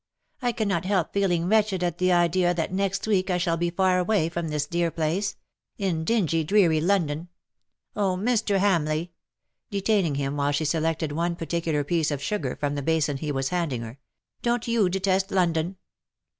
" I cannot help feeling wretched at the idea that next week I shall be far away from this dear place — in dingy^ dreary London. Oh, Mr. Hamleigh/^ — detaining him while she selected one particular piece of sugar from the basin he was handing her —" don^t you detest London